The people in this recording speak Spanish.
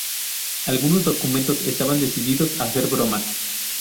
Algunos documentos estaban decididos a ser bromas.